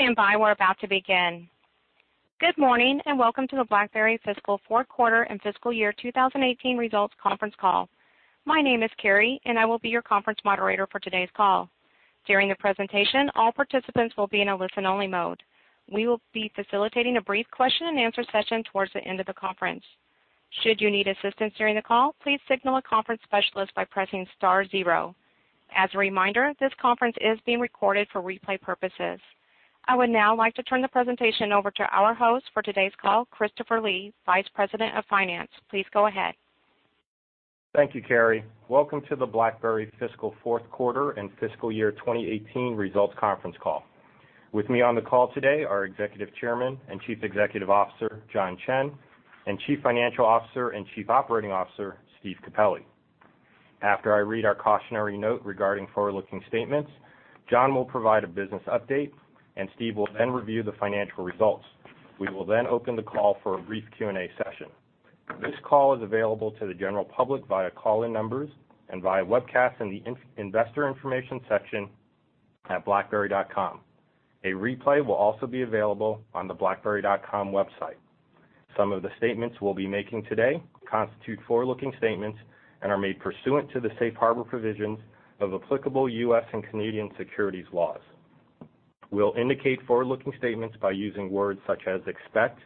Please stand by. We're about to begin. Good morning, welcome to the BlackBerry fiscal fourth quarter and fiscal year 2018 Results Conference Call. My name is Carrie, and I will be your conference moderator for today's call. During the presentation, all participants will be in a listen-only mode. We will be facilitating a brief question and answer session towards the end of the conference. Should you need assistance during the call, please signal a conference specialist by pressing star zero. As a reminder, this conference is being recorded for replay purposes. I would now like to turn the presentation over to our host for today's call, Christopher Lee, Vice President of Finance. Please go ahead. Thank you, Carrie. Welcome to the BlackBerry fiscal fourth quarter and fiscal year 2018 Results Conference Call. With me on the call today are Executive Chairman and Chief Executive Officer, John Chen, and Chief Financial Officer and Chief Operating Officer, Steve Capelli. After I read our cautionary note regarding forward-looking statements, John will provide a business update. Steve will then review the financial results. We will then open the call for a brief Q&A session. This call is available to the general public via call-in numbers and via webcast in the investor information section at blackberry.com. A replay will also be available on the blackberry.com website. Some of the statements we'll be making today constitute forward-looking statements and are made pursuant to the safe harbor provisions of applicable U.S. and Canadian securities laws. We'll indicate forward-looking statements by using words such as expect,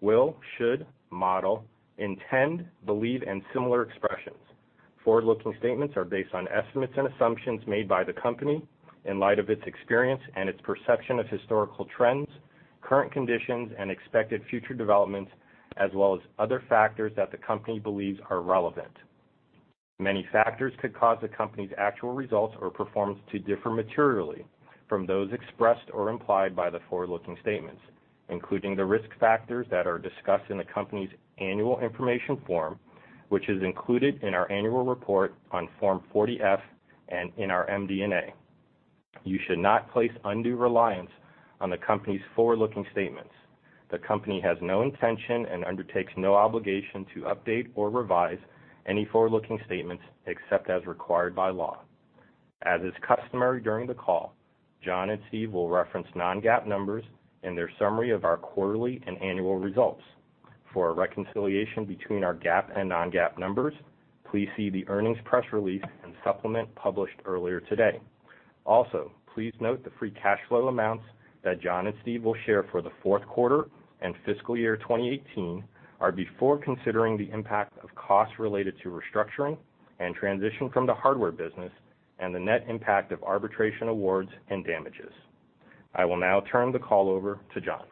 will, should, model, intend, believe, and similar expressions. Forward-looking statements are based on estimates and assumptions made by the company in light of its experience and its perception of historical trends, current conditions, and expected future developments, as well as other factors that the company believes are relevant. Many factors could cause the company's actual results or performance to differ materially from those expressed or implied by the forward-looking statements, including the risk factors that are discussed in the company's annual information form, which is included in our annual report on Form 40-F and in our MD&A. You should not place undue reliance on the company's forward-looking statements. The company has no intention and undertakes no obligation to update or revise any forward-looking statements except as required by law. As is customary during the call, John and Steve will reference non-GAAP numbers in their summary of our quarterly and annual results. For a reconciliation between our GAAP and non-GAAP numbers, please see the earnings press release and supplement published earlier today. Also, please note the free cash flow amounts that John and Steve will share for the fourth quarter and fiscal year 2018 are before considering the impact of costs related to restructuring and transition from the hardware business and the net impact of arbitration awards and damages. I will now turn the call over to John.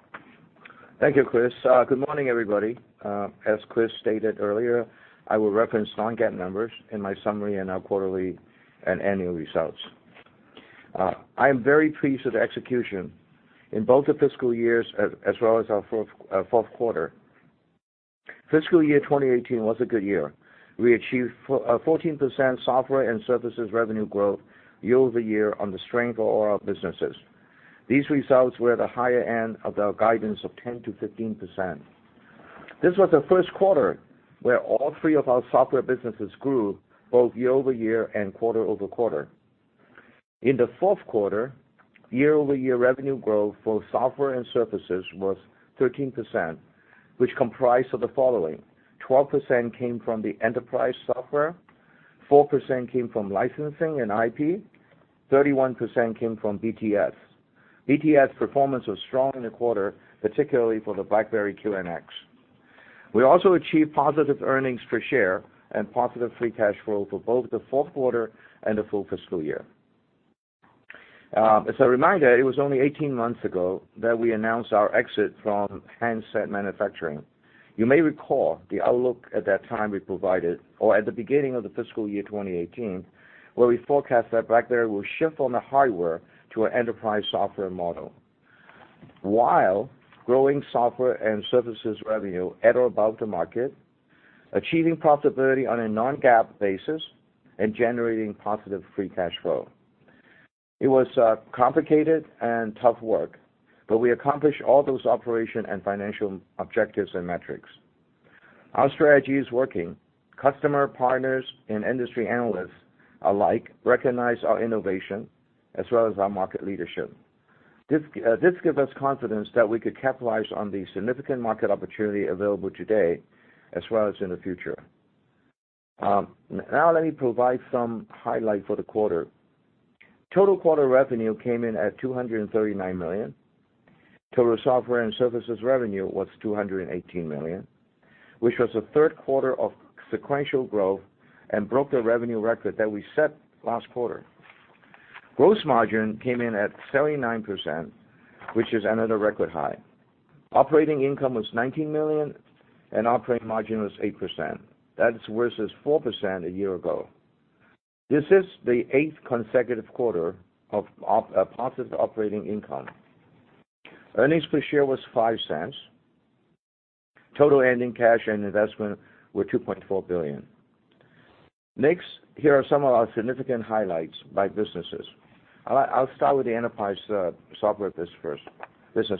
Thank you, Chris. Good morning, everybody. As Chris stated earlier, I will reference non-GAAP numbers in my summary and our quarterly and annual results. I am very pleased with the execution in both the fiscal years as well as our fourth quarter. Fiscal year 2018 was a good year. We achieved 14% software and services revenue growth year-over-year on the strength of all our businesses. These results were at the higher end of the guidance of 10%-15%. This was the first quarter where all three of our software businesses grew both year-over-year and quarter-over-quarter. In the fourth quarter, year-over-year revenue growth for software and services was 13%, which comprised of the following: 12% came from the enterprise software, 4% came from licensing and IP, 31% came from BTS. BTS performance was strong in the quarter, particularly for the BlackBerry QNX. We also achieved positive earnings per share and positive free cash flow for both the fourth quarter and the full fiscal year. As a reminder, it was only 18 months ago that we announced our exit from handset manufacturing. You may recall the outlook at that time we provided, or at the beginning of the fiscal year 2018, where we forecast that BlackBerry will shift from the hardware to an enterprise software model while growing software and services revenue at or above the market, achieving profitability on a non-GAAP basis, and generating positive free cash flow. We accomplished all those operation and financial objectives and metrics. Our strategy is working. Customer partners and industry analysts alike recognize our innovation as well as our market leadership. This give us confidence that we could capitalize on the significant market opportunity available today as well as in the future. Now let me provide some highlight for the quarter. Total quarter revenue came in at $239 million. Total software and services revenue was $218 million, which was the third quarter of sequential growth and broke the revenue record that we set last quarter. Gross margin came in at 79%, which is another record high. Operating income was $19 million, and operating margin was 8%. That is versus 4% a year ago. This is the eighth consecutive quarter of positive operating income. Earnings per share was $0.05. Total ending cash and investment were $2.4 billion. Next, here are some of our significant highlights by businesses. I'll start with the enterprise software business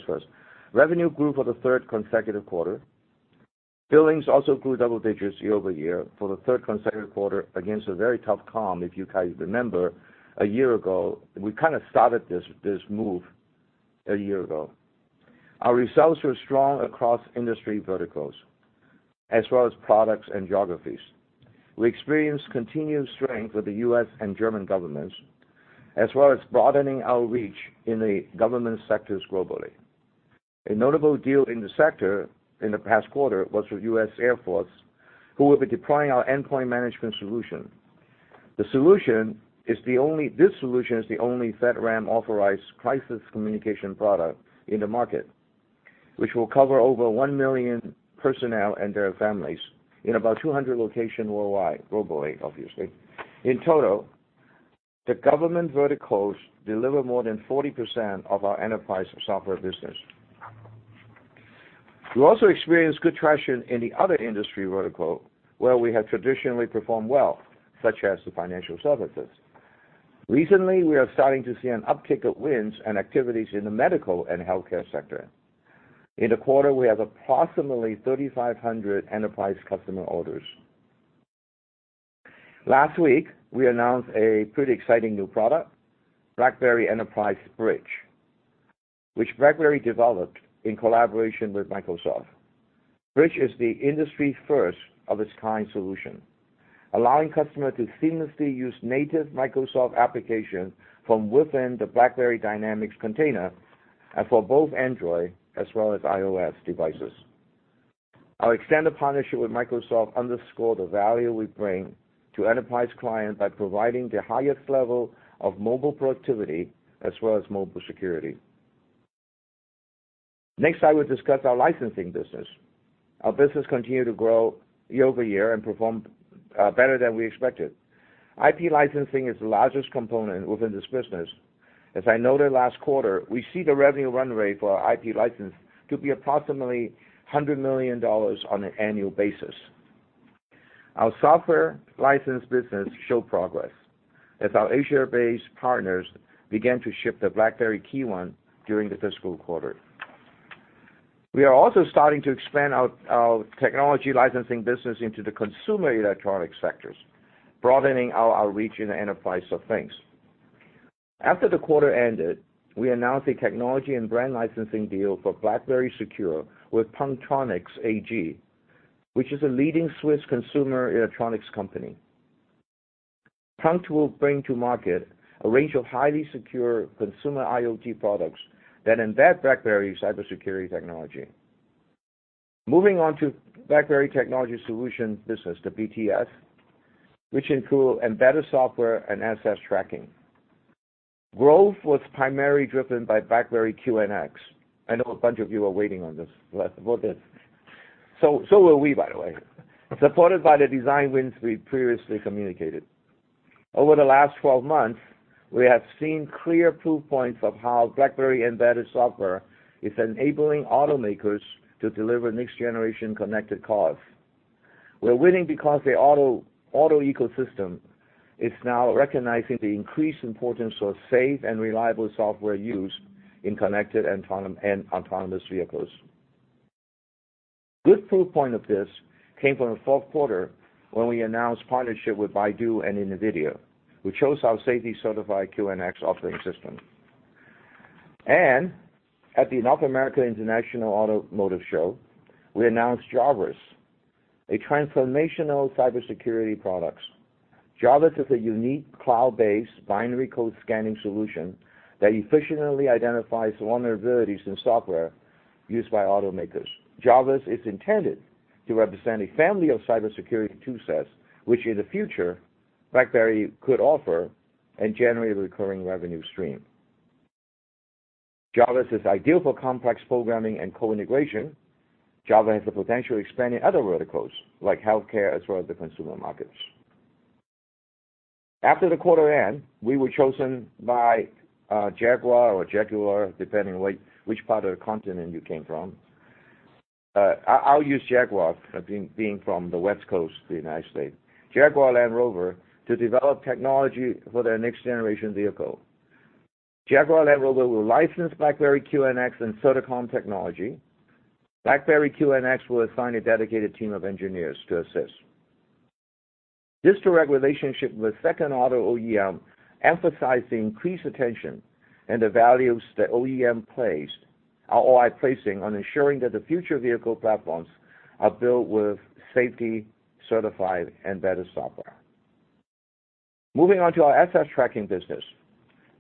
first. Revenue grew for the third consecutive quarter. Billings also grew double digits year-over-year for the third consecutive quarter against a very tough comp, if you can remember, a year ago. We started this move a year ago. Our results were strong across industry verticals, as well as products and geographies. We experienced continued strength with the U.S. and German governments, as well as broadening our reach in the government sectors globally. A notable deal in the sector in the past quarter was with U.S. Air Force, who will be deploying our endpoint management solution. This solution is the only FedRAMP-authorized crisis communication product in the market, which will cover over 1 million personnel and their families in about 200 locations worldwide, globally, obviously. In total, the government verticals deliver more than 40% of our enterprise software business. We also experienced good traction in the other industry vertical, where we have traditionally performed well, such as the financial services. Recently, we are starting to see an uptick of wins and activities in the medical and healthcare sector. In the quarter, we have approximately 3,500 enterprise customer orders. Last week, we announced a pretty exciting new product, BlackBerry Enterprise BRIDGE, which BlackBerry developed in collaboration with Microsoft. BRIDGE is the industry's first of its kind solution, allowing customers to seamlessly use native Microsoft applications from within the BlackBerry Dynamics container, and for both Android as well as iOS devices. Our extended partnership with Microsoft underscores the value we bring to enterprise clients by providing the highest level of mobile productivity as well as mobile security. Next, I will discuss our licensing business. Our business continued to grow year-over-year and performed better than we expected. IP licensing is the largest component within this business. As I noted last quarter, we see the revenue run rate for our IP license to be approximately $100 million on an annual basis. Our software license business showed progress as our Asia-based partners began to ship the BlackBerry KEYone during the fiscal quarter. We are also starting to expand our technology licensing business into the consumer electronics sectors, broadening our reach in the enterprise of things. After the quarter ended, we announced a technology and brand licensing deal for BlackBerry Secure with Punkt Tronics AG, which is a leading Swiss consumer electronics company. Punkt will bring to market a range of highly secure consumer IoT products that embed BlackBerry's cybersecurity technology. Moving on to BlackBerry Technology Solutions business, the BTS, which include embedded software and asset tracking. Growth was primarily driven by BlackBerry QNX. I know a bunch of you are waiting on this. Were we, by the way, supported by the design wins we previously communicated. Over the last 12 months, we have seen clear proof points of how BlackBerry embedded software is enabling automakers to deliver next-generation connected cars. We're winning because the auto ecosystem is now recognizing the increased importance of safe and reliable software use in connected and autonomous vehicles. Good proof point of this came from the fourth quarter when we announced partnership with Baidu and NVIDIA, who chose our safety-certified QNX operating system. At the North American International Automotive Show, we announced Jarvis, a transformational cybersecurity product. Jarvis is a unique cloud-based binary code scanning solution that efficiently identifies vulnerabilities in software used by automakers. Jarvis is intended to represent a family of cybersecurity tool sets, which in the future BlackBerry could offer and generate a recurring revenue stream. Jarvis is ideal for complex programming and code integration. Jarvis has the potential to expand in other verticals like healthcare as well as the consumer markets. After the quarter end, we were chosen by Jaguar or Jaguar, depending on which part of the continent you came from. I'll use Jaguar, being from the West Coast of the U.S. Jaguar Land Rover to develop technology for their next-generation vehicle. Jaguar Land Rover will license BlackBerry QNX and Certicom technology. BlackBerry QNX will assign a dedicated team of engineers to assist. This direct relationship with second auto OEM emphasizes the increased attention and the values the OEMs are placing on ensuring that the future vehicle platforms are built with safety-certified embedded software. Moving on to our asset tracking business.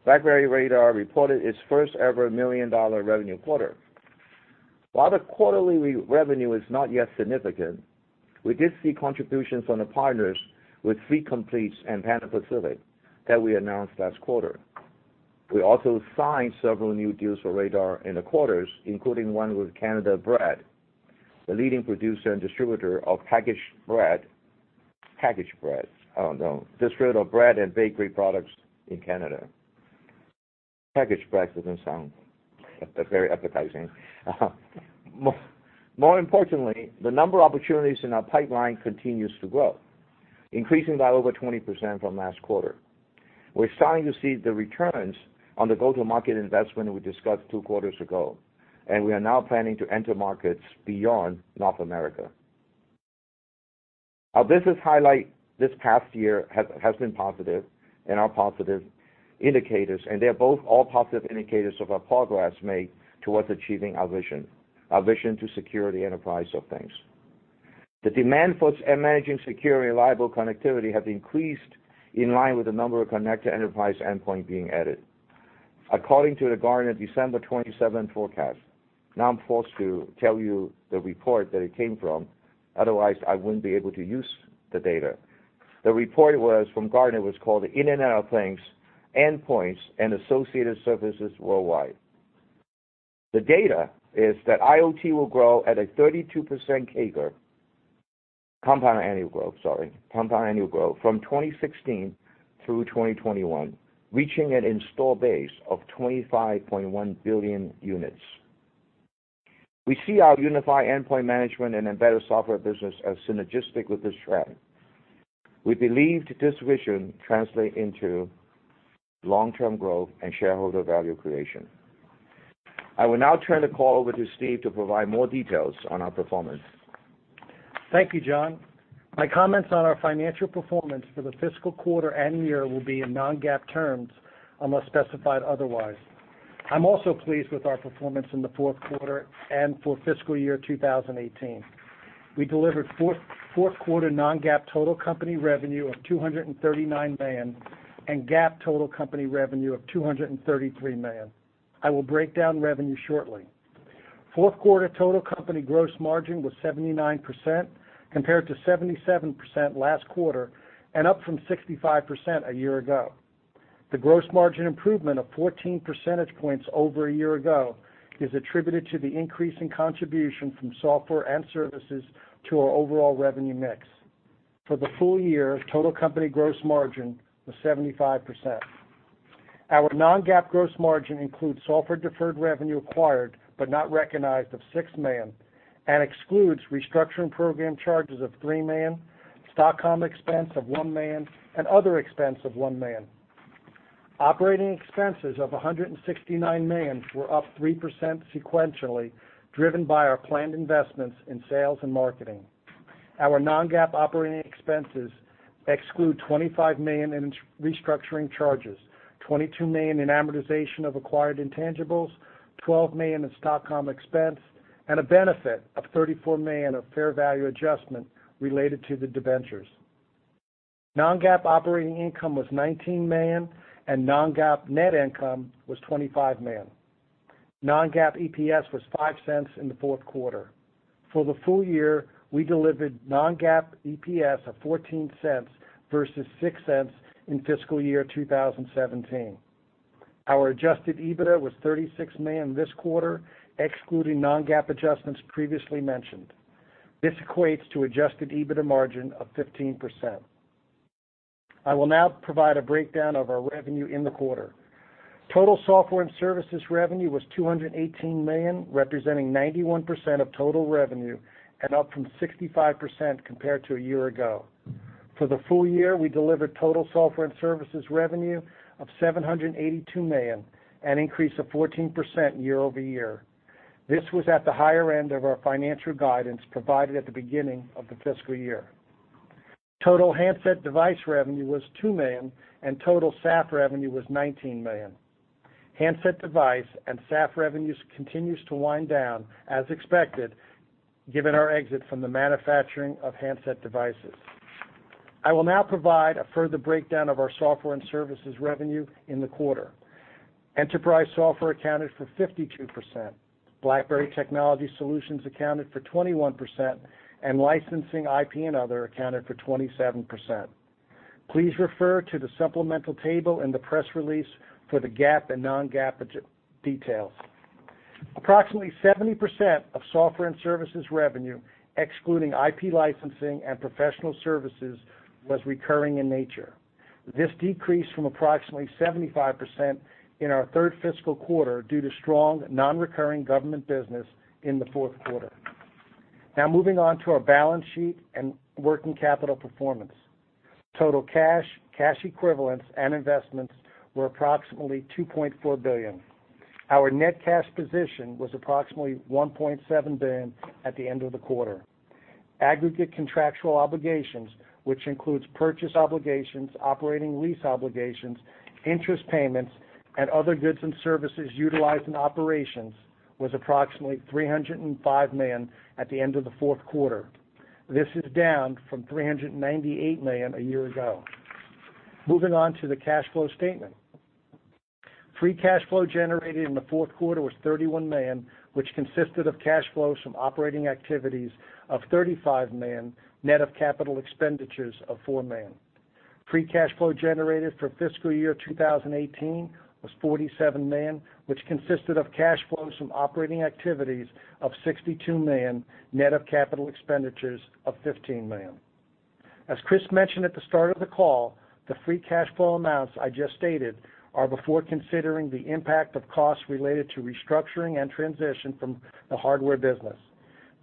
BlackBerry Radar reported its first-ever $1 million revenue quarter. While the quarterly revenue is not yet significant, we did see contributions from the partners with Fleet Complete and Pan Pacific that we announced last quarter. We also signed several new deals for Radar in the quarters, including one with Canada Bread, the leading producer and distributor of packaged bread. Packaged bread. Oh, no. Distributor of bread and bakery products in Canada. Packaged bread doesn't sound very appetizing. More importantly, the number of opportunities in our pipeline continues to grow, increasing by over 20% from last quarter. We're starting to see the returns on the go-to-market investment we discussed two quarters ago, and we are now planning to enter markets beyond North America. Our business highlight this past year has been positive, and they're all positive indicators of progress made towards achieving our vision, our vision to secure the enterprise of things. The demand for managing secure and reliable connectivity have increased in line with the number of connected enterprise endpoint being added. According to the Gartner December 27 forecast, now I'm forced to tell you the report that it came from, otherwise I wouldn't be able to use the data. The report was from Gartner, was called the Internet of Things, Endpoints, and Associated Services, Worldwide. The data is that IoT will grow at a 32% CAGR, Compound annual growth from 2016 through 2021, reaching an install base of 25.1 billion units. We see our Unified Endpoint Management and embedded software business as synergistic with this trend. We believe this vision translate into long-term growth and shareholder value creation. I will now turn the call over to Steve to provide more details on our performance. Thank you, John. My comments on our financial performance for the fiscal quarter and year will be in non-GAAP terms unless specified otherwise. I'm also pleased with our performance in the fourth quarter and for fiscal year 2018. We delivered fourth quarter non-GAAP total company revenue of $239 million and GAAP total company revenue of $233 million. I will break down revenue shortly. Fourth quarter total company gross margin was 79% compared to 77% last quarter and up from 65% a year ago. The gross margin improvement of 14 percentage points over a year ago is attributed to the increase in contribution from software and services to our overall revenue mix. For the full year, total company gross margin was 75%. Our non-GAAP gross margin includes software deferred revenue acquired but not recognized of $6 million and excludes restructuring program charges of $3 million, stock comp expense of $1 million, and other expense of $1 million. Operating expenses of $169 million were up 3% sequentially, driven by our planned investments in sales and marketing. Our non-GAAP operating expenses exclude $25 million in restructuring charges, $22 million in amortization of acquired intangibles, $12 million in stock comp expense, and a benefit of $34 million of fair value adjustment related to the debentures. Non-GAAP operating income was $19 million, and non-GAAP net income was $25 million. Non-GAAP EPS was $0.05 in the fourth quarter. For the full year, we delivered non-GAAP EPS of $0.14 versus $0.06 in fiscal year 2017. Our adjusted EBITDA was $36 million this quarter, excluding non-GAAP adjustments previously mentioned. This equates to adjusted EBITDA margin of 15%. I will now provide a breakdown of our revenue in the quarter. Total software and services revenue was $218 million, representing 91% of total revenue and up from 65% compared to a year ago. For the full year, we delivered total software and services revenue of $782 million, an increase of 14% year-over-year. This was at the higher end of our financial guidance provided at the beginning of the fiscal year. Total handset device revenue was $2 million, and total SAF revenue was $19 million. Handset device and SAF revenues continues to wind down as expected, given our exit from the manufacturing of handset devices. I will now provide a further breakdown of our software and services revenue in the quarter. Enterprise software accounted for 52%, BlackBerry Technology Solutions accounted for 21%, and licensing IP and other accounted for 27%. Please refer to the supplemental table in the press release for the GAAP and non-GAAP details. Approximately 70% of software and services revenue, excluding IP licensing and professional services, was recurring in nature. This decreased from approximately 75% in our third fiscal quarter due to strong non-recurring government business in the fourth quarter. Moving on to our balance sheet and working capital performance. Total cash equivalents, and investments were approximately $2.4 billion. Our net cash position was approximately $1.7 billion at the end of the quarter. Aggregate contractual obligations, which includes purchase obligations, operating lease obligations, interest payments, and other goods and services utilized in operations, was approximately $305 million at the end of the fourth quarter. This is down from $398 million a year ago. Moving on to the cash flow statement. Free cash flow generated in the fourth quarter was $31 million, which consisted of cash flows from operating activities of $35 million, net of capital expenditures of $4 million. Free cash flow generated for fiscal year 2018 was $47 million, which consisted of cash flows from operating activities of $62 million, net of capital expenditures of $15 million. As Chris mentioned at the start of the call, the free cash flow amounts I just stated are before considering the impact of costs related to restructuring and transition from the hardware business.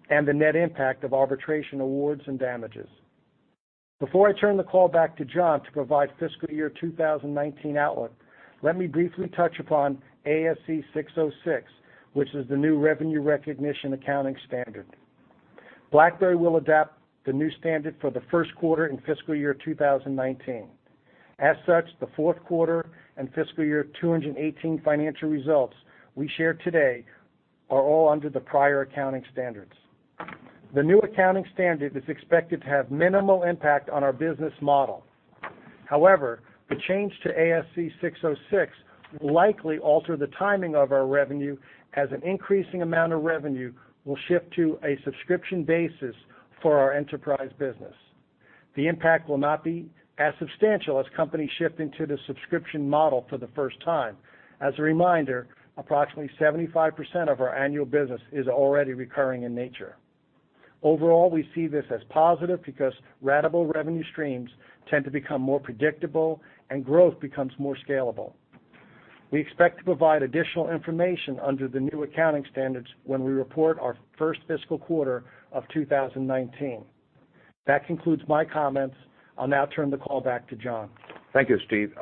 The net impact of arbitration awards and damages. Before I turn the call back to John to provide fiscal year 2019 outlook, let me briefly touch upon ASC 606, which is the new revenue recognition accounting standard. BlackBerry will adapt the new standard for the first quarter in fiscal year 2019. As such, the fourth quarter and fiscal year 2018 financial results we share today are all under the prior accounting standards. The new accounting standard is expected to have minimal impact on our business model. However, the change to ASC 606 will likely alter the timing of our revenue as an increasing amount of revenue will shift to a subscription basis for our enterprise business. The impact will not be as substantial as companies shifting to the subscription model for the first time. As a reminder, approximately 75% of our annual business is already recurring in nature. Overall, we see this as positive because ratable revenue streams tend to become more predictable and growth becomes more scalable. We expect to provide additional information under the new accounting standards when we report our first fiscal quarter of 2019. That concludes my comments. I'll now turn the call back to John. Thank you, Steve.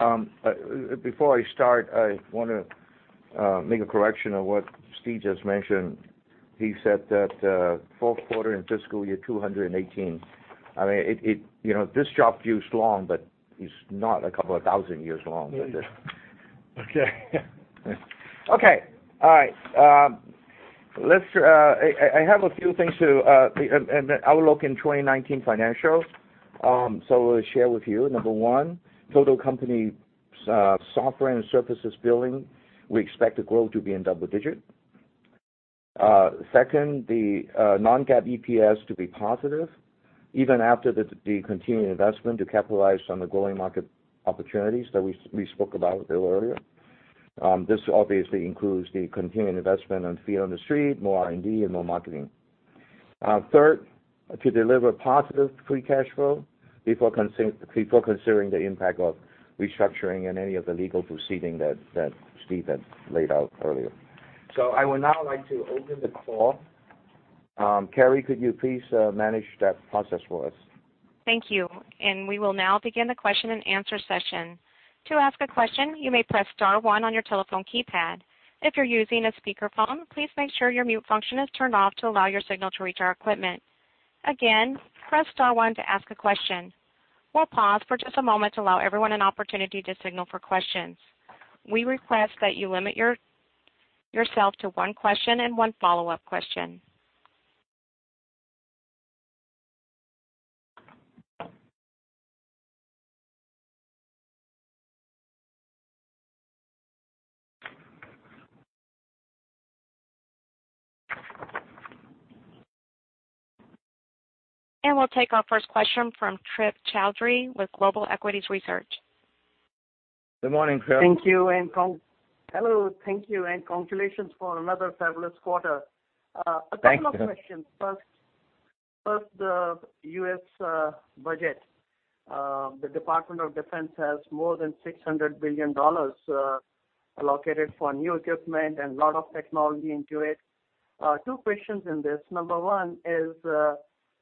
Before I start, I want to make a correction of what Steve just mentioned. He said that fourth quarter in fiscal year 2018. This job views long, but it's not a couple of thousand years long. Okay. I have a few things to, and then outlook in 2019 financials. I will share with you, number 1, total company software and services billing, we expect the growth to be in double-digit. Second, the non-GAAP EPS to be positive even after the continuing investment to capitalize on the growing market opportunities that we spoke about a little earlier. This obviously includes the continuing investment on Feet on the Street, more R&D and more marketing. Third, to deliver positive free cash flow before considering the impact of restructuring and any of the legal proceeding that Steve had laid out earlier. I would now like to open the call. Carrie, could you please manage that process for us? Thank you. We will now begin the question and answer session. To ask a question, you may press star one on your telephone keypad. If you're using a speakerphone, please make sure your mute function is turned off to allow your signal to reach our equipment. Again, press star one to ask a question. We'll pause for just a moment to allow everyone an opportunity to signal for questions. We request that you limit yourself to one question and one follow-up question. We'll take our first question from Trip Chowdhry with Global Equities Research. Good morning, Trip. Thank you, hello. Thank you, congratulations for another fabulous quarter. Thank you. A couple of questions. First, the U.S. budget. The Department of Defense has more than $600 billion allocated for new equipment and lot of technology into it. Two questions in this. Number one is,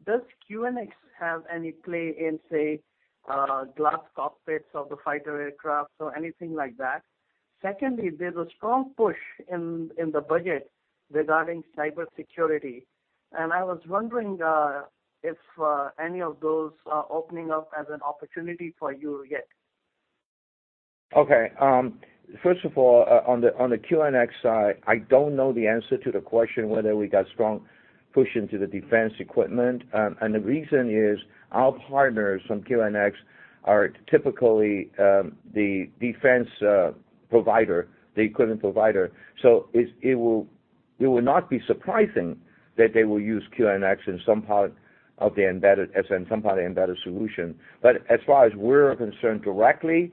does QNX have any play in, say, glass cockpits of the fighter aircraft or anything like that? Secondly, there's a strong push in the budget regarding cybersecurity, I was wondering if any of those are opening up as an opportunity for you yet. First of all, on the QNX side, I don't know the answer to the question whether we got strong push into the defense equipment. The reason is, our partners from QNX are typically the defense equipment provider. It would not be surprising that they will use QNX as in some part of the embedded solution. As far as we're concerned directly,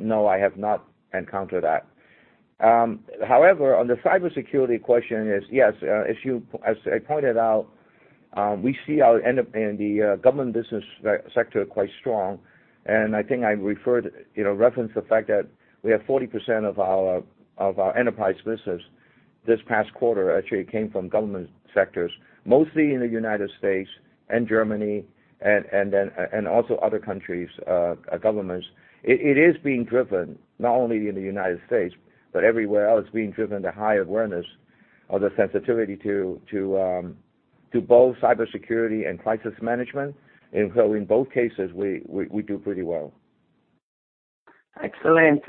no, I have not encountered that. However, on the cybersecurity question is, yes, as I pointed out, we see our end up in the government business sector quite strong, and I think I referenced the fact that we have 40% of our enterprise business this past quarter actually came from government sectors, mostly in the U.S. and Germany and also other countries' governments. It is being driven not only in the U.S., but everywhere else, being driven to high awareness of the sensitivity to both cybersecurity and crisis management. In both cases, we do pretty well. Excellent.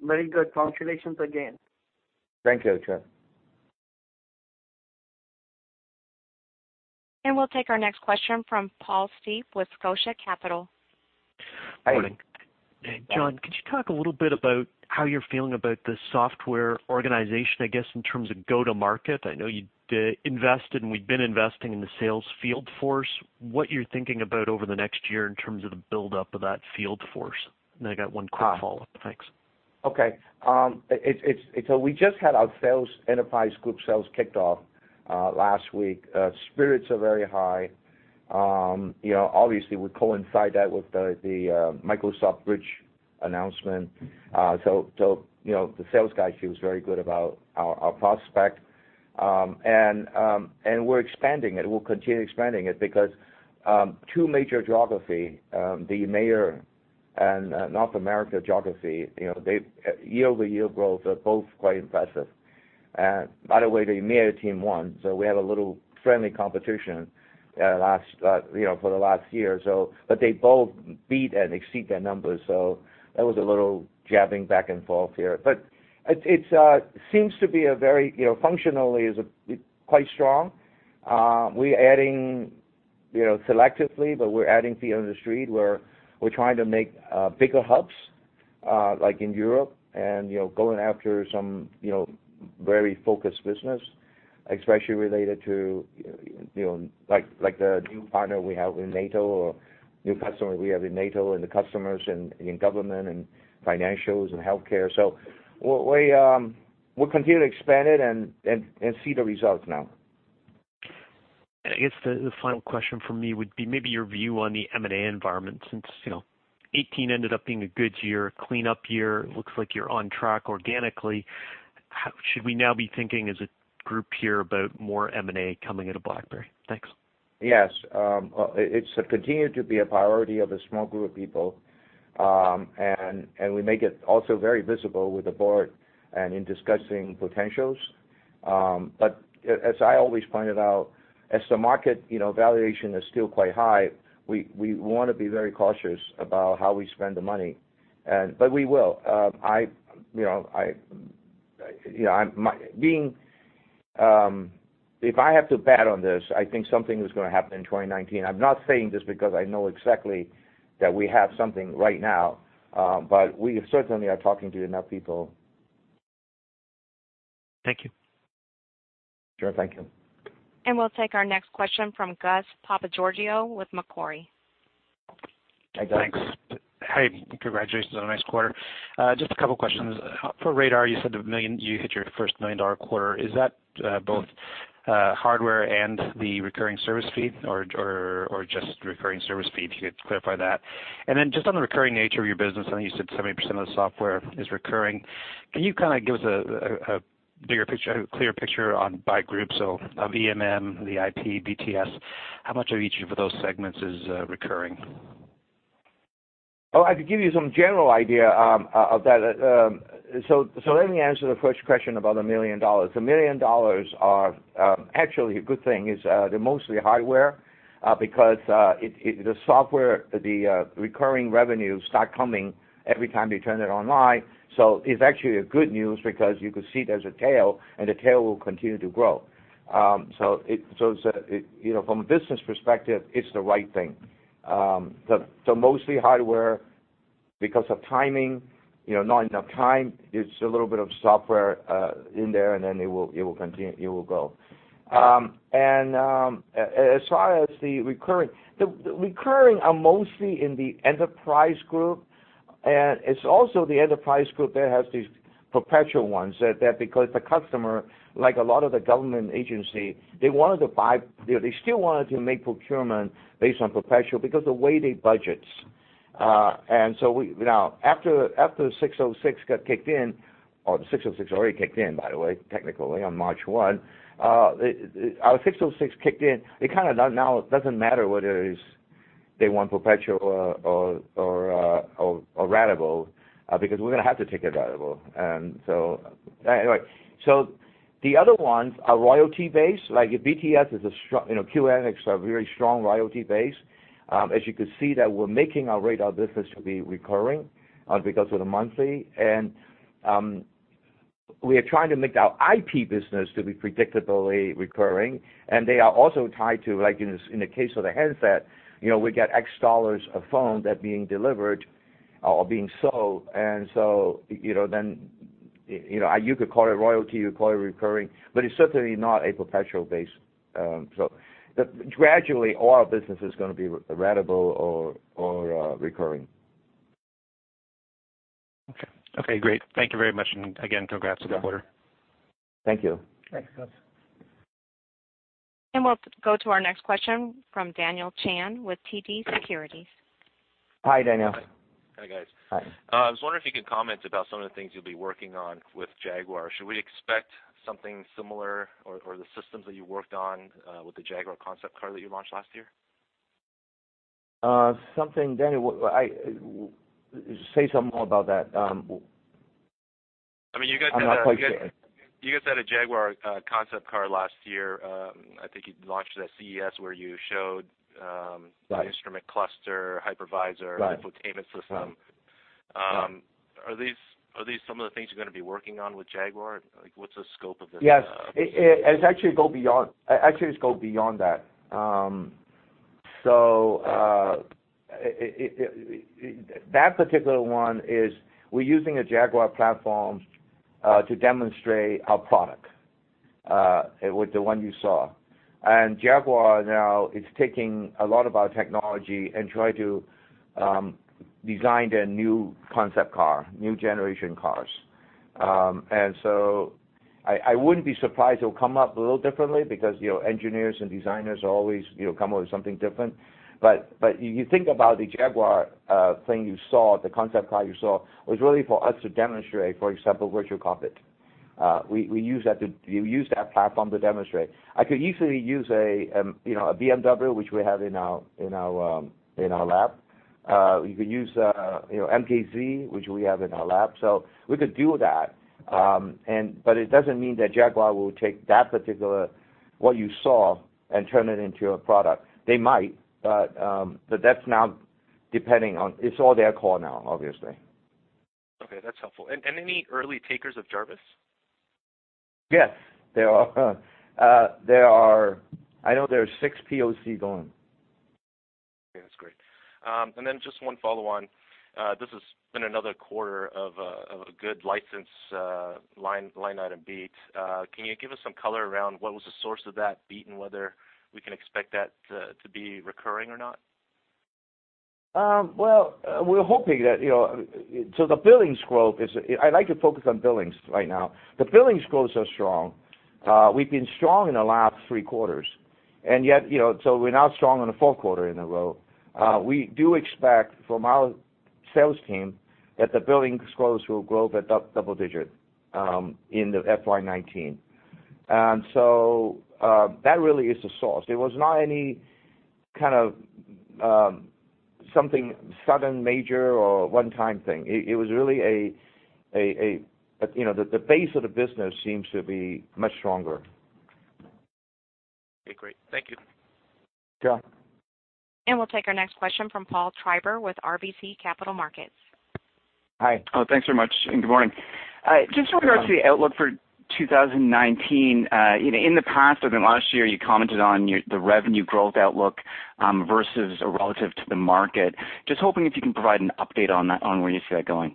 Very good. Congratulations again. Thank you, Trip. We'll take our next question from Paul Steep with Scotia Capital. Hi. Good morning. John, could you talk a little bit about how you're feeling about the software organization, I guess, in terms of go-to-market? I know you invested, and we've been investing in the sales field force. What you're thinking about over the next year in terms of the buildup of that field force? I got one quick follow-up. Thanks. Okay. We just had our enterprise group sales kicked off last week. Spirits are very high. Obviously, we coincide that with the BlackBerry Enterprise BRIDGE announcement. The sales guy, he was very good about our prospect. We're expanding it. We'll continue expanding it because two major geography, the EMEA and North America geography, their year-over-year growth are both quite impressive. By the way, the EMEA team won, so we had a little friendly competition for the last year. They both beat and exceed their numbers, so that was a little jabbing back and forth here. It seems to be, functionally, is quite strong. We're adding selectively, but we're adding Feet on the Street where we're trying to make bigger hubs, like in Europe, and going after some very focused business, especially related to the new partner we have in NATO, or new customer we have in NATO, and the customers in government and financials and healthcare. We'll continue to expand it and see the results now. I guess the final question from me would be maybe your view on the M&A environment since 2018 ended up being a good year, a cleanup year. It looks like you're on track organically. Should we now be thinking as a group here about more M&A coming out of BlackBerry? Thanks. Yes. It's continued to be a priority of a small group of people. We make it also very visible with the board and in discussing potentials. As I always pointed out, as the market valuation is still quite high, we want to be very cautious about how we spend the money. We will. If I have to bet on this, I think something is going to happen in 2019. I'm not saying this because I know exactly that we have something right now. We certainly are talking to enough people. Thank you. Sure. Thank you. We'll take our next question from Gus Papageorgiou with Macquarie. Hi, Gus. Thanks. Hey, congratulations on a nice quarter. Just a couple questions. For BlackBerry Radar, you said you hit your first $1 million-dollar quarter. Is that both hardware and the recurring service fee or just recurring service fee? If you could clarify that. Just on the recurring nature of your business, I know you said 70% of the software is recurring. Can you kind of give us a bigger picture, a clearer picture by group? UEM, the IP, BTS, how much of each of those segments is recurring? I could give you some general idea of that. Let me answer the first question about the $1 million. The $1 million are actually a good thing. They're mostly hardware because the software, the recurring revenues start coming every time they turn it online. It's actually a good news because you could see there's a tail, and the tail will continue to grow. From a business perspective, it's the right thing. Mostly hardware because of timing, not enough time. There's a little bit of software in there, and then it will go. The recurring are mostly in the enterprise group, and it's also the enterprise group that has these perpetual ones there because the customer, like a lot of the government agency, they still wanted to make procurement based on perpetual because the way they budget. Now, after ASC 606 got kicked in, or the ASC 606 already kicked in, by the way, technically on March 1. Our ASC 606 kicked in. It kind of now doesn't matter whether they want perpetual or ratable because we're going to have to take it ratable. Anyway. The other ones are royalty-based, like BTS, QNX, are very strong royalty-based. As you could see that we're making our Radar business to be recurring because of the monthly. We are trying to make our IP business to be predictably recurring, and they are also tied to, like in the case of the handset, we get X dollars a phone that being delivered or being sold. You could call it royalty, you call it recurring, but it's certainly not a perpetual base. Gradually, all business is going to be ratable or recurring. Okay. Okay, great. Thank you very much, and again, congrats on the quarter. Thank you. We'll go to our next question from Daniel Chan with TD Securities. Hi, Daniel. Hi. Hi. I was wondering if you could comment about some of the things you'll be working on with Jaguar. Should we expect something similar or the systems that you worked on with the Jaguar concept car that you launched last year? Say some more about that. I'm not quite sure. You guys had a Jaguar concept car last year. I think you launched at CES where you showed- Right the instrument cluster, hypervisor- Right infotainment system. Right. Are these some of the things you're going to be working on with Jaguar? Like, what's the scope of this? Yes. It actually has go beyond that. That particular one is, we're using a Jaguar platform to demonstrate our product with the one you saw. Jaguar now is taking a lot of our technology and trying to design their new concept car, new generation cars. I wouldn't be surprised it will come up a little differently because engineers and designers always come up with something different. You think about the Jaguar thing you saw, the concept car you saw, was really for us to demonstrate, for example, virtual cockpit. We used that platform to demonstrate. I could easily use a BMW, which we have in our lab. We could use MKZ, which we have in our lab. We could do that, but it doesn't mean that Jaguar will take that particular, what you saw, and turn it into a product. They might, but that's now It's all their call now, obviously. Okay, that's helpful. Any early takers of Jarvis? Yes. I know there's six POC going. Okay, that's great. Then just one follow on. This has been another quarter of a good license line item beat. Can you give us some color around what was the source of that beat and whether we can expect that to be recurring or not? Well, we're hoping that. I'd like to focus on billings right now. The billings growth are strong. We've been strong in the last three quarters, and we're now strong in the fourth quarter in a row. We do expect from our sales team that the billings growth will grow at double-digit in the FY 2019. That really is the source. It was not any kind of something sudden major or one-time thing. The base of the business seems to be much stronger. Okay, great. Thank you. Sure. We'll take our next question from Paul Treiber with RBC Capital Markets. Hi. Thanks very much. Good morning. Just with regards to the outlook for 2019. In the past, or the last year, you commented on the revenue growth outlook versus relative to the market. Just hoping if you can provide an update on where you see that going.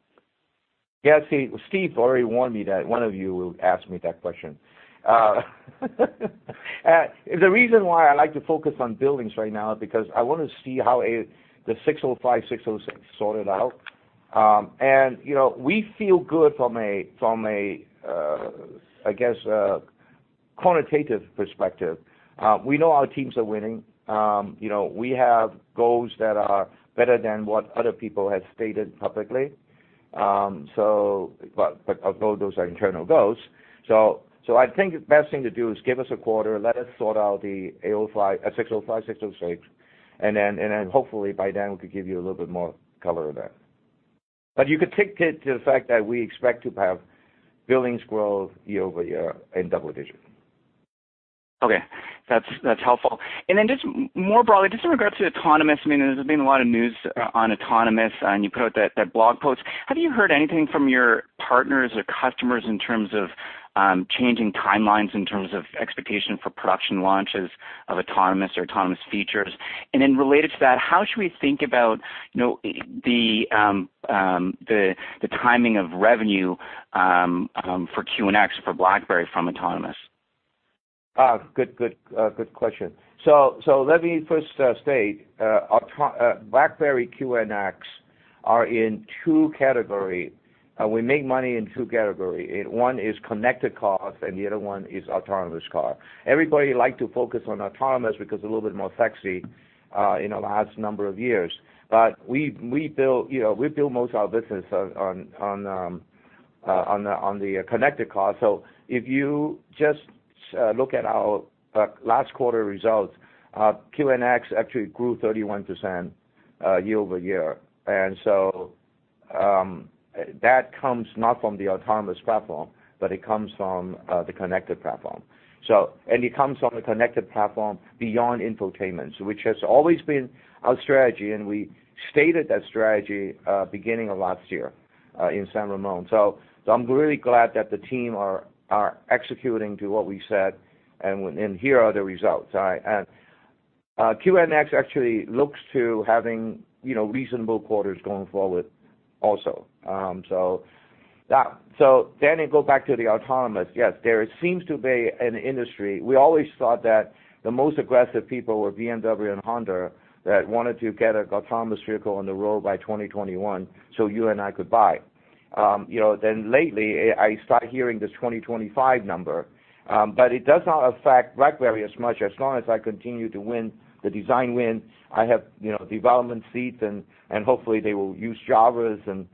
Steve already warned me that one of you will ask me that question. The reason why I like to focus on billings right now is because I want to see how the ASC 605, ASC 606 sorted out. We feel good from a quantitative perspective. We know our teams are winning. We have goals that are better than what other people have stated publicly. Although those are internal goals. I think the best thing to do is give us a quarter, let us sort out the ASC 605, ASC 606, and hopefully by then we could give you a little bit more color on that. You could take it to the fact that we expect to have billings growth year-over-year in double digits. That's helpful. Just more broadly, just in regards to autonomous, there's been a lot of news on autonomous, and you put out that blog post. Have you heard anything from your partners or customers in terms of changing timelines, in terms of expectation for production launches of autonomous or autonomous features? Related to that, how should we think about the timing of revenue for QNX for BlackBerry from autonomous? Good question. Let me first state, BlackBerry QNX are in two category. We make money in two category. One is connected cars, and the other one is autonomous car. Everybody like to focus on autonomous because a little bit more sexy in the last number of years. We build most of our business on the connected car. If you just look at our last quarter results, QNX actually grew 31% year-over-year. That comes not from the autonomous platform, but it comes from the connected platform. It comes from the connected platform beyond infotainment, which has always been our strategy, and we stated that strategy beginning of last year in San Ramon. I'm really glad that the team are executing to what we said, and here are the results. QNX actually looks to having reasonable quarters going forward also. You go back to the autonomous. Yes, there seems to be an industry. We always thought that the most aggressive people were BMW and Honda that wanted to get an autonomous vehicle on the road by 2021, so you and I could buy. Lately, I start hearing this 2025 number. It does not affect BlackBerry as much. As long as I continue to win the design win, I have development seats and hopefully they will use Jarvis and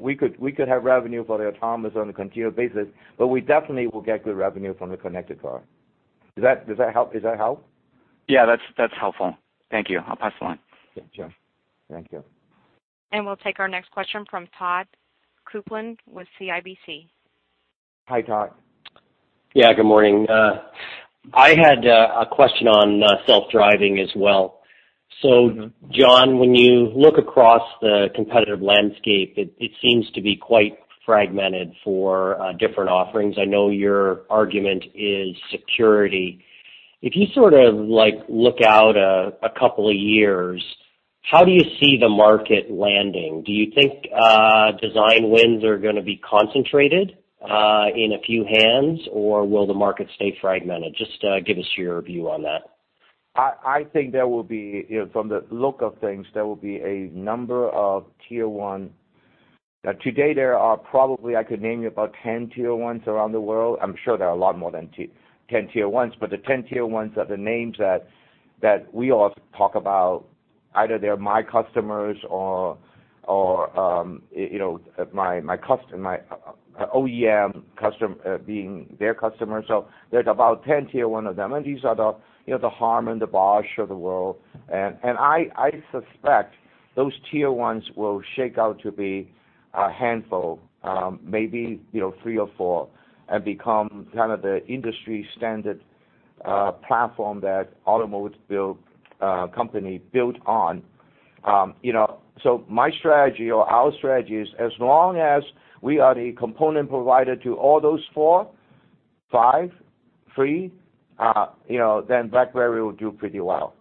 we could have revenue for the autonomous on a continued basis, but we definitely will get good revenue from the connected car. Does that help? Yeah, that's helpful. Thank you. I'll pass it on. Sure. Thank you. We'll take our next question from Todd Coupland with CIBC. Hi, Todd. Yeah, good morning. I had a question on self-driving as well. John, when you look across the competitive landscape, it seems to be quite fragmented for different offerings. I know your argument is security. If you sort of look out a couple of years, how do you see the market landing? Do you think design wins are going to be concentrated in a few hands, or will the market stay fragmented? Just give us your view on that. I think from the look of things, there will be a number of Tier 1. Today, there are probably, I could name you about 10 Tier 1s around the world. I'm sure there are a lot more than 10 Tier 1s, but the 10 Tier 1s are the names that we all talk about. Either they are my customers or my OEM being their customer. There's about 10 Tier 1s of them, and these are the Harman, the Bosch of the world. I suspect those Tier 1s will shake out to be a handful, maybe three or four, and become kind of the industry-standard platform that automotive company built on. My strategy or our strategy is, as long as we are the component provider to all those four, five, three, then BlackBerry will do pretty well.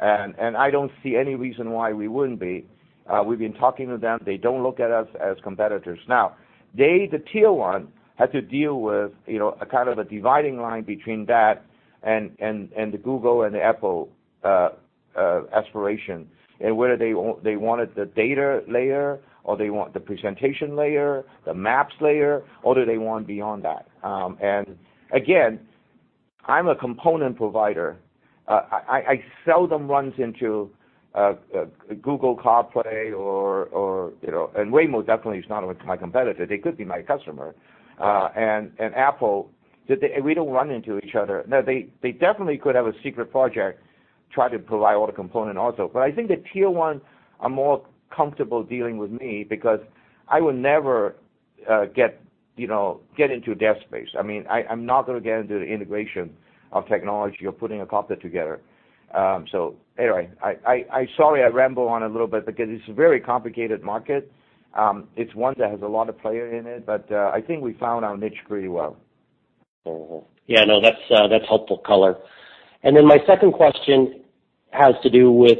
I don't see any reason why we wouldn't be. We've been talking to them. They don't look at us as competitors. They, the Tier 1, had to deal with a kind of a dividing line between that and the Google and the Apple aspiration, and whether they wanted the data layer or they want the presentation layer, the maps layer, or do they want beyond that. Again, I'm a component provider. I seldom runs into Google CarPlay, and Waymo definitely is not my competitor. They could be my customer. Apple, we don't run into each other. They definitely could have a secret project, try to provide all the component also. I think the Tier 1 are more comfortable dealing with me because I would never get into their space. I'm not going to get into the integration of technology or putting a cockpit together. Anyway. Sorry, I ramble on a little bit because it's a very complicated market. It's one that has a lot of players in it, I think we found our niche pretty well. Yeah, no, that's helpful color. My second question has to do with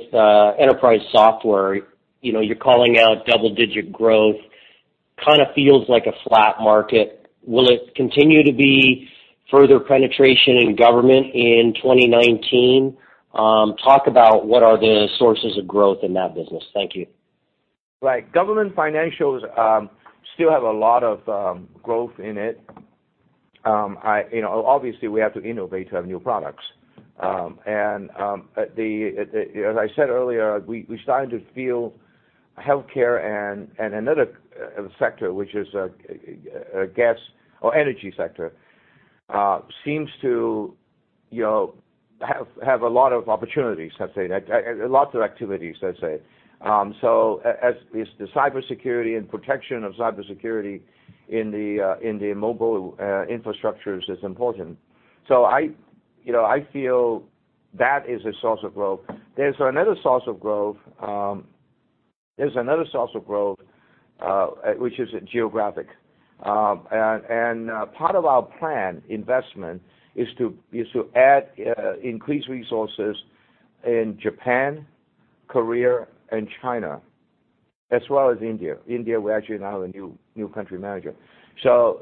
enterprise software. You're calling out double-digit growth. Kind of feels like a flat market. Will it continue to be further penetration in government in 2019? Talk about what are the sources of growth in that business. Thank you. Right. Government financials still have a lot of growth in it. Obviously, we have to innovate to have new products. As I said earlier, we're starting to feel healthcare and another sector, which is gas or energy sector, seems to have a lot of opportunities, I'd say. Lots of activities, I'd say. As the cybersecurity and protection of cybersecurity in the mobile infrastructures is important. I feel that is a source of growth. There's another source of growth, which is geographic. Part of our plan investment is to add increased resources in Japan, Korea, and China, as well as India. India, we actually now have a new country manager. That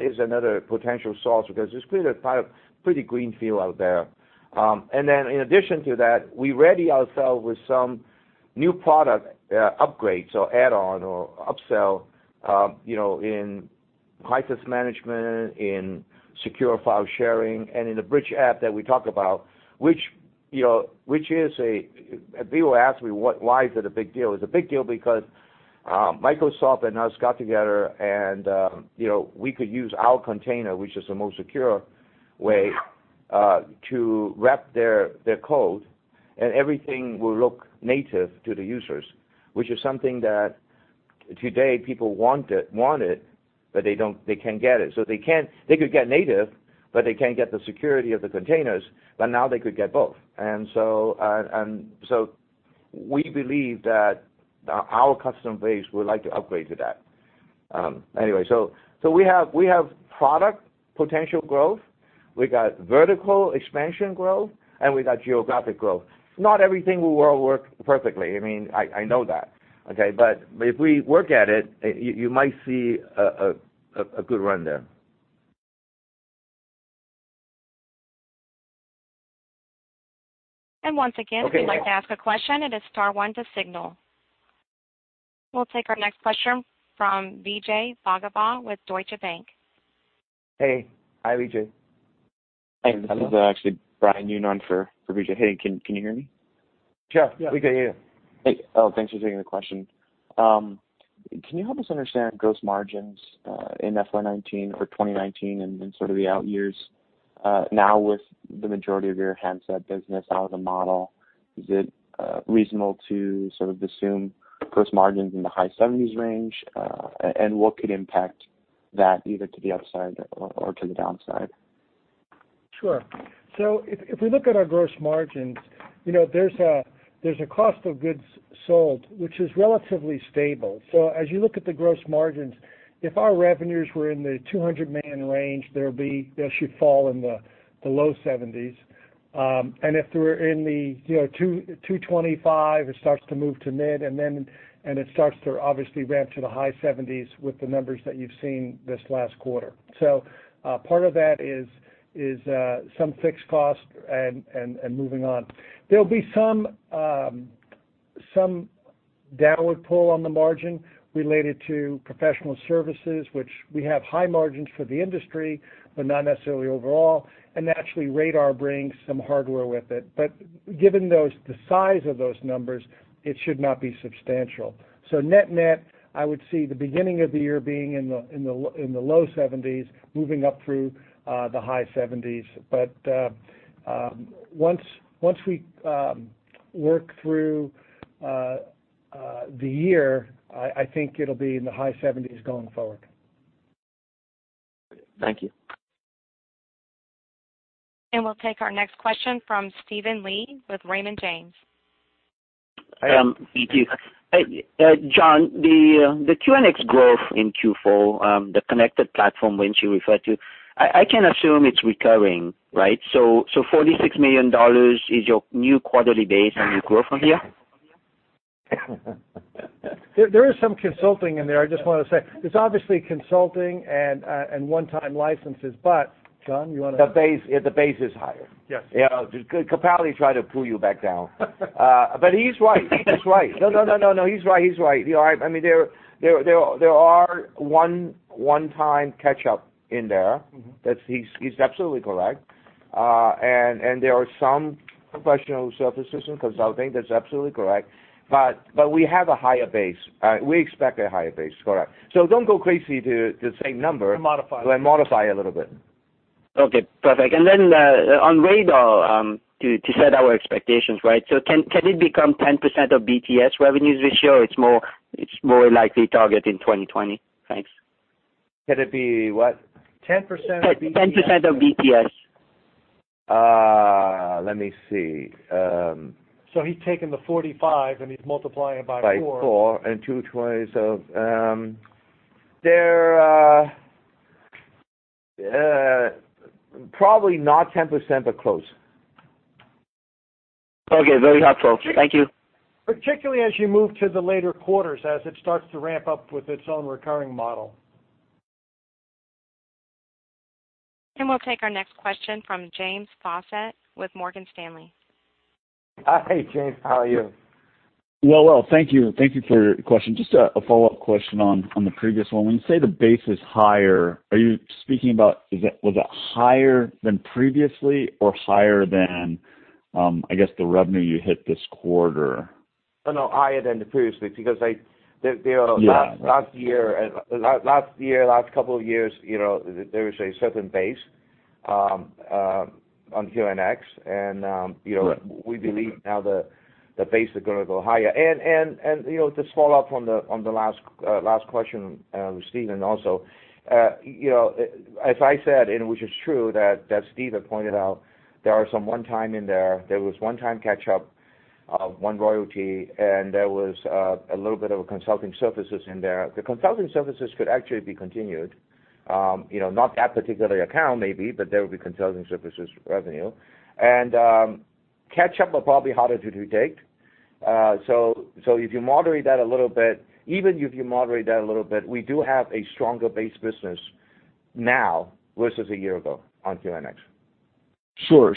is another potential source because it's pretty green field out there. In addition to that, we ready ourselves with some new product upgrades or add-on or upsell in high-trust management, in secure file sharing, and in the Bridge app that we talk about, which people ask me, why is it a big deal? It's a big deal because Microsoft and us got together, and we could use our container, which is the most secure way to wrap their code, and everything will look native to the users, which is something that today people want it, but they can't get it. They could get native, but they can't get the security of the containers, but now they could get both. We believe that our customer base would like to upgrade to that. Anyway, we have product potential growth. We got vertical expansion growth, and we got geographic growth. Not everything will work perfectly. I know that, okay. If we work at it, you might see a good run there. Once again. Okay. If you'd like to ask a question, it is star one to signal. We'll take our next question from Vijay Bhagavath with Deutsche Bank. Hey. Hi, Vijay. Hey, this is actually Brian Yun on for Vijay. Hey, can you hear me? Sure. Yeah. We can hear you. Thanks for taking the question. Can you help us understand gross margins in FY 2019 or 2019 and then sort of the out years? Now with the majority of your handset business out of the model, is it reasonable to sort of assume gross margins in the high 70s range? What could impact that either to the upside or to the downside? Sure. If we look at our gross margins, there's a cost of goods sold, which is relatively stable. As you look at the gross margins, if our revenues were in the $200 million range, they should fall in the low 70s. If they were in the $225 million, it starts to move to mid, and it starts to obviously ramp to the high 70s with the numbers that you've seen this last quarter. Part of that is some fixed cost and moving on. There'll be some downward pull on the margin related to professional services, which we have high margins for the industry, but not necessarily overall. Naturally, Radar brings some hardware with it. Given the size of those numbers, it should not be substantial. Net-net, I would see the beginning of the year being in the low 70s, moving up through the high 70s. Once we work through the year, I think it'll be in the high 70s going forward. Thank you. We'll take our next question from Steven Li with Raymond James. Thank you. John, the QNX growth in Q4, the connected platform, which you referred to, I can assume it's recurring, right? $46 million is your new quarterly base and you grow from here? There is some consulting in there, I just want to say. It's obviously consulting and one-time licenses, John, you want to. The base is higher. Yes. Capelli tried to pull you back down. He's right. He's right. There are one-time catch-up in there. He's absolutely correct. There are some professional services and consulting, that's absolutely correct. We have a higher base. We expect a higher base. Correct. Don't go crazy to the same number. Modify. Modify a little bit. Okay, perfect. On BlackBerry Radar, to set our expectations, can it become 10% of BTS revenues this year, or it's more likely target in 2020? Thanks. Can it be what? 10% of BTS. 10% of BTS. Let me see. He's taken the 45, and he's multiplying it by four. By four, and [two twenties], so they're probably not 10%, but close. Okay. Very helpful. Thank you. Particularly as you move to the later quarters, as it starts to ramp up with its own recurring model. We'll take our next question from James Faucette with Morgan Stanley. Hi, James. How are you? Well, thank you for your question. Just a follow-up question on the previous one. When you say the base is higher, are you speaking about, was that higher than previously or higher than, I guess, the revenue you hit this quarter? No, higher than previously, because last year, last couple of years, there is a certain base on QNX. Right We believe now the base is going to go higher. To follow up on the last question with Steven also, as I said, and which is true, that Steven pointed out, there are some one-time in there. There was one-time catch-up, one royalty, and there was a little bit of a consulting services in there. The consulting services could actually be continued. Not that particular account maybe, but there will be consulting services revenue. Catch-up are probably harder to take. If you moderate that a little bit, even if you moderate that a little bit, we do have a stronger base business now versus a year ago on QNX. Sure.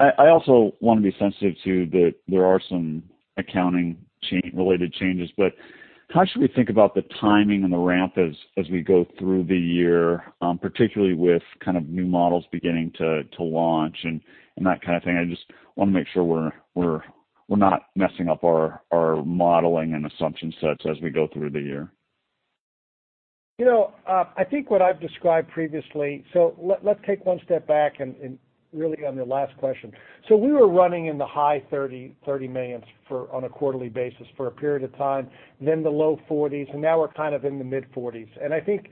I also want to be sensitive to that there are some accounting-related changes, but how should we think about the timing and the ramp as we go through the year, particularly with new models beginning to launch and that kind of thing? I just want to make sure we're not messing up our modeling and assumption sets as we go through the year. I think what I've described previously, let's take one step back and really on your last question. We were running in the high $30 million on a quarterly basis for a period of time, then the low $40s, and now we're in the mid $40s. I think,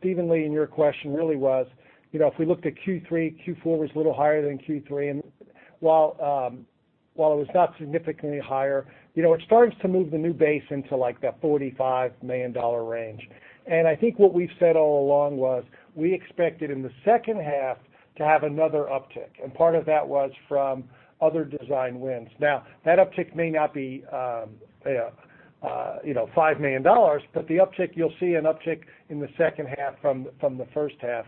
Steven Li, and your question really was, if we looked at Q3, Q4 was a little higher than Q3, and while it was not significantly higher, it starts to move the new base into that $45 million range. I think what we've said all along was we expected in the second half to have another uptick, and part of that was from other design wins. That uptick may not be $5 million, but the uptick, you'll see an uptick in the second half from the first half,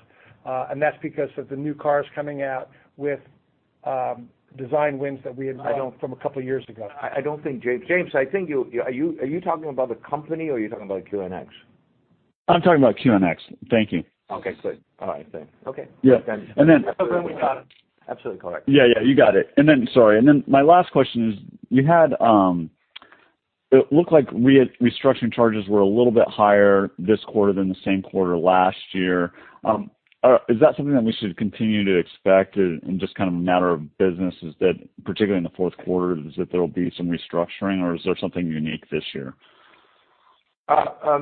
and that's because of the new cars coming out with design wins that we had won from a couple of years ago. James, are you talking about the company, or are you talking about QNX? I'm talking about QNX. Thank you. Okay, good. All right, thanks. Okay. Yeah. Understood. Absolutely correct. You got it. Sorry. My last question is, it looked like restructuring charges were a little bit higher this quarter than the same quarter last year. Is that something that we should continue to expect in just matter of business, is that particularly in the fourth quarter, is that there'll be some restructuring, or is there something unique this year?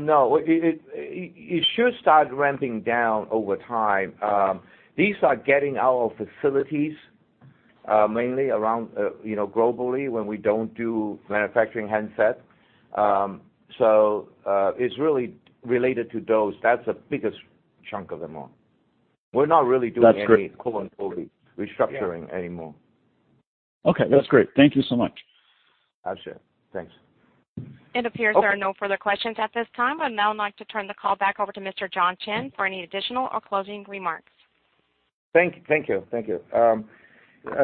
No. It should start ramping down over time. These are getting out of facilities, mainly around globally when we don't do manufacturing handsets. It's really related to those. That's the biggest chunk of them all. That's great restructuring anymore. Okay. That's great. Thank you so much. Got you. Thanks. It appears there are no further questions at this time. I'd now like to turn the call back over to Mr. John Chen for any additional or closing remarks. Thank you.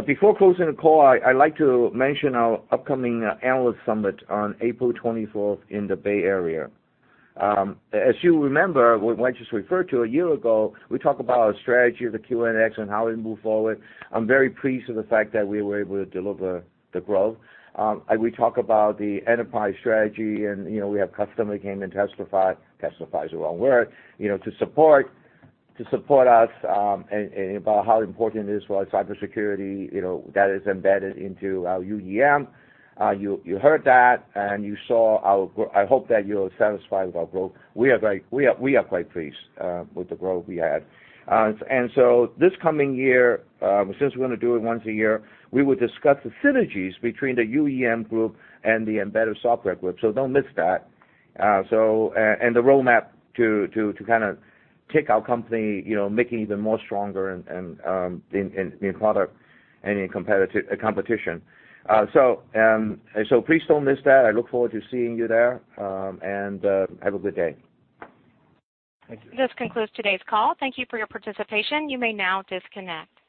Before closing the call, I like to mention our upcoming analyst summit on April 24th in the Bay Area. As you remember, we might just refer to a year ago, we talked about our strategy of the QNX and how we move forward. I'm very pleased with the fact that we were able to deliver the growth. We talked about the enterprise strategy, and we have customer came and testified is the wrong word, to support us, and about how important it is for our cybersecurity, that is embedded into our UEM. You heard that, and you saw our-- I hope that you're satisfied with our growth. We are quite pleased with the growth we had. This coming year, since we're going to do it once a year, we will discuss the synergies between the UEM group and the embedded software group. Don't miss that. The roadmap to take our company, making even more stronger in product and in competition. Please don't miss that. I look forward to seeing you there. Have a good day. Thank you. This concludes today's call. Thank you for your participation. You may now disconnect.